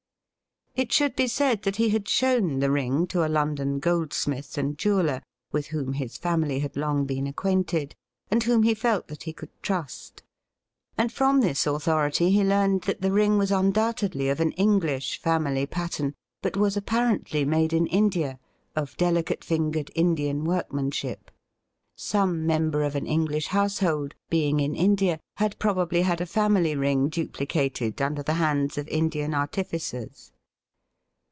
It should be said that he had shoVn the ring to a London goldsmith and jeweller, with whoril his family had lotag been acquainted, and whom he felt that he could trust, and from this authority he learned that 128 THE RIDDLE RING the ring was undoubtedly of an English family pattern, but was apparently made in India, of delicate fingered Indian workmanship. Some member of an English house hold, being in India, had probably had a family ring duplicated under the hands of Indian artificers.